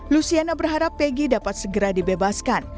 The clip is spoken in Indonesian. luciana berharap peggy dapat segera dibebaskan